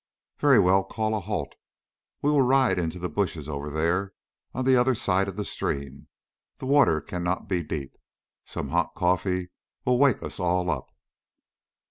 "Very good; call a halt. We will ride into the bushes over there on the other side of the stream. The water cannot be deep. Some hot coffee will wake us all up."